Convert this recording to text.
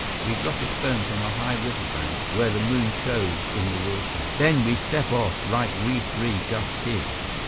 We drop a stone from a high riverbank, where the moon shows in the water. Then we step off like we three just did."